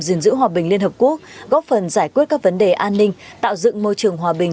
gìn giữ hòa bình liên hợp quốc góp phần giải quyết các vấn đề an ninh tạo dựng môi trường hòa bình